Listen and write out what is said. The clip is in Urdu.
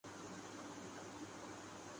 کہ آئی پی ایل نے